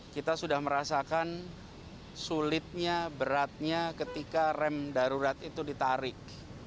kita sudah merasakan sulitnya beratnya ketika rem darurat itu ditarik